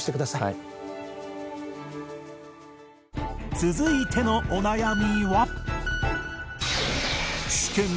続いてのお悩みは